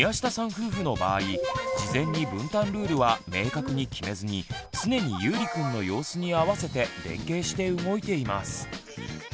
夫婦の場合事前に分担ルールは明確に決めずに常にゆうりくんの様子に合わせて連携して動いています。